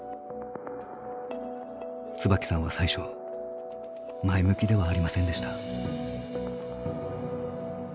椿さんは最初前向きではありませんでした。